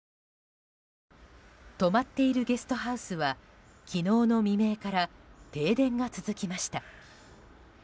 泊まっているゲストハウスは昨日の未明から停電が続きました。